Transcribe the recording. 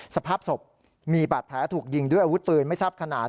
สภาพศพมีบาดแผลถูกยิงด้วยอาวุธปืนไม่ทราบขนาด